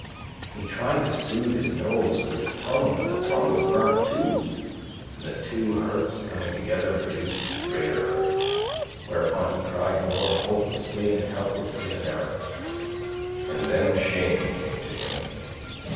He tried to soothe his nose with his tongue, but the tongue was burnt too, and the two hurts coming together produced greater hurt; whereupon he cried more hopelessly and helplessly than ever. And then shame came to him.